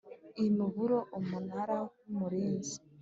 imiburo Umunara w Umurinzi